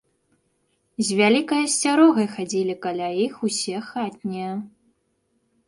З вялікай асцярогай хадзілі каля іх усе хатнія.